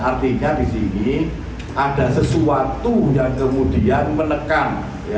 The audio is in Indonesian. artinya di sini ada sesuatu yang kemudian menekan